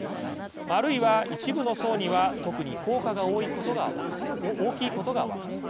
あるいは一部の層には特に効果が大きいことが分かる。